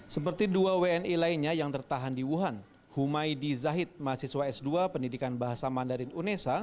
seperti dua wni lainnya yang tertahan di wuhan humaydi zahid mahasiswa s dua pendidikan bahasa mandarin unesa